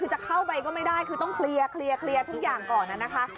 คือจะเข้าไปก็ไม่ได้คือต้องเคลียร์ทุกอย่างก่อนนะคะ